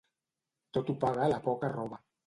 Tot ho paga la poca roba.